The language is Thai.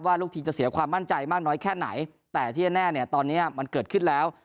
ลูกทีมจะเสียความมั่นใจมากน้อยแค่ไหนแต่ที่แน่เนี่ยตอนนี้มันเกิดขึ้นแล้ว